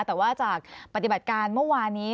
แต่ว่าจากปฏิบัติการเมื่อวานี้